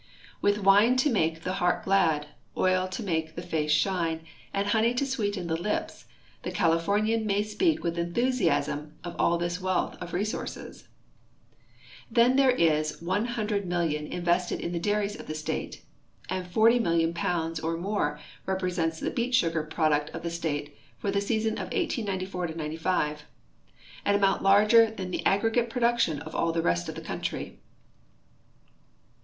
With wine to make his heart glad, oil to make his face to shine, and honey to sweeten his lips, the Californian may speak with enthusiasm of all this wealth of resources. Then there is $100, 000,000 invested in the dairies of the state, and 40,000,000 pounds or more represents the beet sugar product of the state for the season of 1894 '95 — an amount larger than the aggregate pro duction of all the rest of the country.